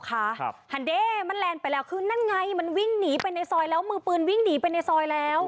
ฮันเด้มันแลนดไปแล้วคือนั่นไงมันวิ่งหนีไปในซอยแล้วมือปืนวิ่งหนีไปในซอยแล้ว